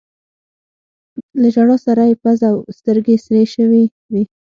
له ژړا سره يې پزه او سترګې سرې شوي وې.